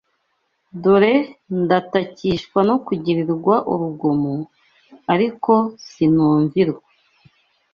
Dore ndatakishwa no kugirirwa urugomo, ariko sinumvirwa